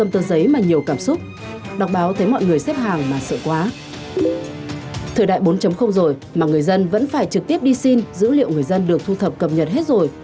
thời đại bốn rồi mà người dân vẫn phải trực tiếp đi xin dữ liệu người dân được thu thập cập nhật hết rồi